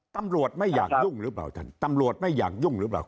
ตำรวจไม่อยากยุ่งหรือเปล่าท่านตำรวจไม่อยากยุ่งหรือเปล่า